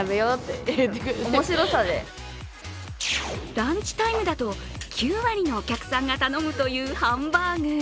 ランチタイムだと９割のお客さんが頼むというハンバーグ。